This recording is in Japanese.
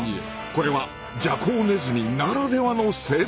これはジャコウネズミならではの生存戦略。